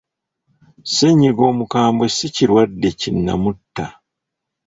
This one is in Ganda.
Ssenyiga omukambwe si kirwadde kinnamutta.